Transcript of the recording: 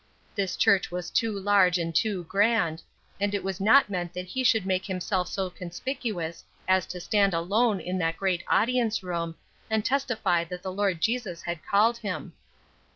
This church was too large and too grand, and it was not meant that he should make himself so conspicuous as to stand alone in that great audience room, and testify that the Lord Jesus had called him.